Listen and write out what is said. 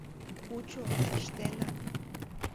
Кучо, пыштена.